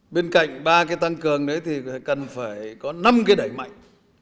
bên cạnh ba cái tăng cường đấy thì cần phải có năm cái đẩy mạnh